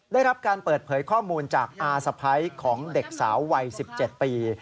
ได้รับการเปิดเผยข้อมูลจากอาสะพ้ายของเด็กสาววัย๑๗ปี